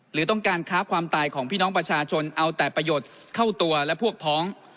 หรือต้องการค้าความตายของพี่น้องประชาชนเอาแต่ประโยชน์เข้าตัวและพวกพ้อง